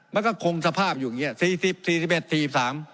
มันก็คงสภาพอยู่อย่างนี้๔๐๔๑๔๓